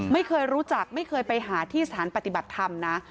ไม่เคยรู้จักไม่เคยไปหาที่สถานปฏิบัติธรรมนะ